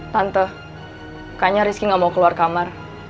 tante kayaknya rizky nggak mau keluar kamar